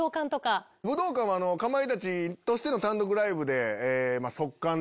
武道館はかまいたちとしての単独ライブで即完で。